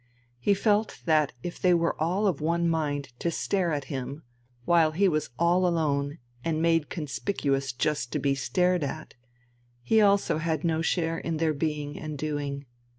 He felt that if they were all of one mind to stare at him, while he was all alone and made conspicuous just to be stared at, he also had no share in their being and doing.